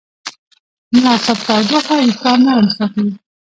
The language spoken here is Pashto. مناسب تودوخه وېښتيان نرم ساتي.